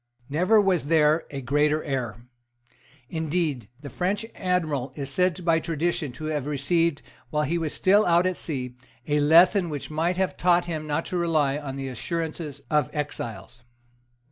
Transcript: Never was there a greater error. Indeed the French admiral is said by tradition to have received, while he was still out at sea, a lesson which might have taught him not to rely on the assurances of exiles.